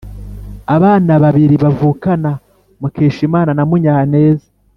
abana babiri bavukana mukeshimana na munyaneza,